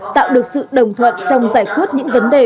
tạo được sự đồng thuận trong giải quyết những vấn đề